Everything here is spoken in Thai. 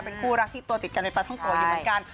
เป็นคู่รักที่ตัวติดกันในปลาท่องโกะอยู่เหมือนกัน